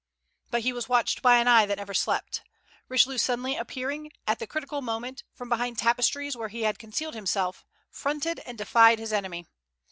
But he was watched by an eye that never slept; Richelieu suddenly appearing, at the critical moment, from behind the tapestries where he had concealed himself, fronted and defied his enemy.